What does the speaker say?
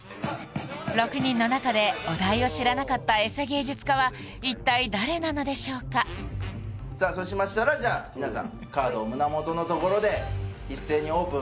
６人の中でお題を知らなかったエセ芸術家は一体誰なのでしょうかさあそうしましたらじゃあ皆さんカードを胸元のところで一斉にオープン